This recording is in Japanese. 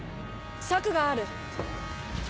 策がある。